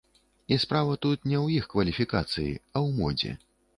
І справа тут не ў іх кваліфікацыі, а ў модзе.